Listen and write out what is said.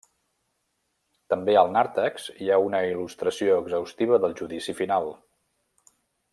També al nàrtex, hi ha una il·lustració exhaustiva del Judici Final.